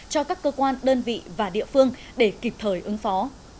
cho các cơ quan đơn vị và địa phương để kịp thời ứng phó